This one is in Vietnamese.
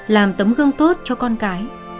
làm tấm gương tốt cho con cái